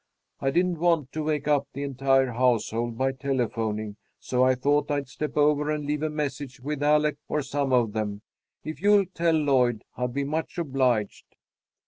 I didn't want to wake up the entire household by telephoning, so I thought I'd step over and leave a message with Alec or some of them. If you'll tell Lloyd, I'll be much obliged."